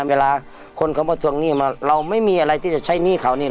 เวลาคนเขามาทวงหนี้มาเราไม่มีอะไรที่จะใช้หนี้เขาเนี่ย